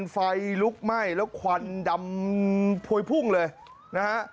ไฟลุกไหม้แล้วควันดำพวยพุ่งเลยนะฮะ